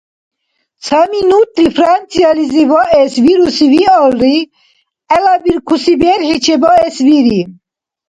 Ца минутли Франциялизи ваэс вируси виалри, гӀелабиркуси берхӀи чебаэс вири.